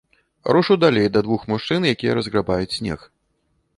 Рушу далей да двух мужчын, якія разграбаюць снег.